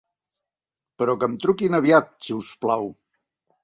Però que em truquin aviat, si us plau!